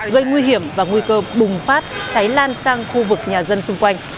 gây nguy hiểm và nguy cơ bùng phát cháy lan sang khu vực nhà dân xung quanh